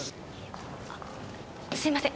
あすいません